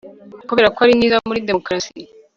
kuberako ari mwiza muri demokarasi